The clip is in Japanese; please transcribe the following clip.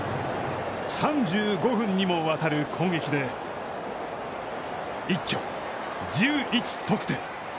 ３５分にもわたる攻撃で一挙１１得点。